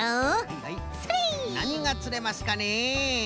なにがつれますかね？